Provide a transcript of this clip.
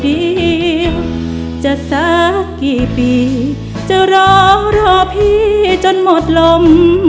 จะสักกี่ปีจะรอรอพี่จนหมดลม